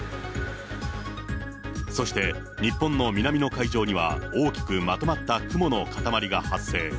そして、日本の南の海上には、大きくまとまった雲の塊が発生。